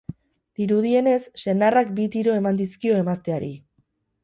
Dirudienez, senarrak bi tiro eman dizkio emazteari.